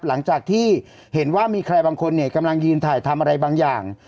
หลังจากที่เห็นว่ามีใครบางคนกำลังยืนถ่ายทำอะไรบางอย่าง